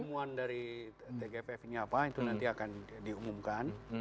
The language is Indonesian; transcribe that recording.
temuan dari tgpf ini apa itu nanti akan diumumkan